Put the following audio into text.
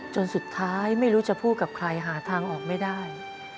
จนสุดท้ายไม่รู้จะพูดกับใครหาทางออกไม่ได้